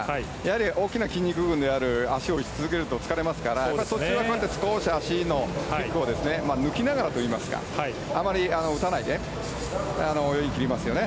大きな筋肉部分である足を打ち続けると疲れますから少し足のキックを抜きながらといいますかあまり打たないで泳ぎ切りますよね。